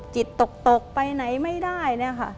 จิตตกไปไหนไม่ได้เนี่ยค่ะ